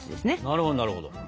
なるほどなるほど。